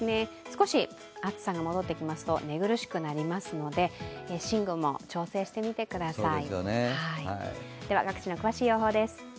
少し暑さが戻ってきますと寝苦しくなりますので寝具も調整してみてください。